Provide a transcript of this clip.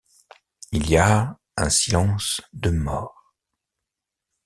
Il y a un silence de mort.